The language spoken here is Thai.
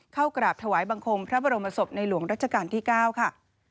กราบถวายบังคมพระบรมศพในหลวงรัชกาลที่๙ค่ะ